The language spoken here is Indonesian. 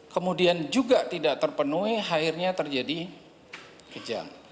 kemudian juga tidak terpenuhi akhirnya terjadi kejang